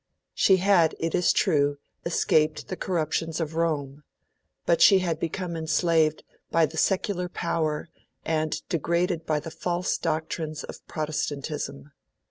She had, it is true, escaped the corruptions of Rome; but she had become enslaved by the secular power, and degraded by the false doctrines of Protestantism.